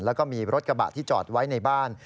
แล้วก็มีรถกระบะที่จอดไว้ในบ้าน